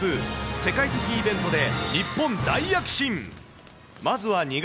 世界的イベントで日本大躍進。